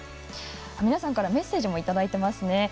皆さんからのメッセージもいただいていますね。